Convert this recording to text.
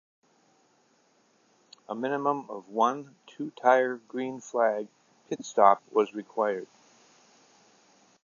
A minimum of one two-tire green flag pit stop was required.